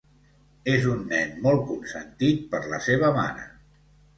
És un nen molt consentit per la seva mare.